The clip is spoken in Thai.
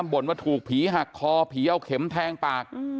บ่นว่าถูกผีหักคอผีเอาเข็มแทงปาก